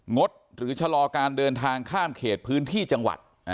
ดหรือชะลอการเดินทางข้ามเขตพื้นที่จังหวัด